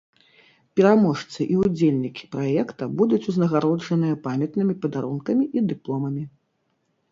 Пераможцы і ўдзельнікі праекта будуць узнагароджаныя памятнымі падарункамі і дыпломамі.